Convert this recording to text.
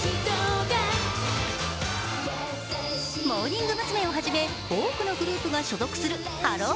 モーニング娘をはじめ多くのグループが所属するハロー！